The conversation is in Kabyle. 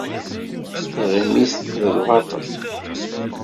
Tiγimit d lbaṭel